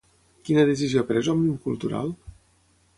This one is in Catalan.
Quina decisió ha pres Òmnium Cultural?